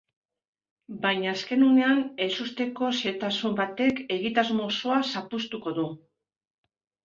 Baina azken unean ezusteko xehetasun batek egitasmo osoa zapuztuko du.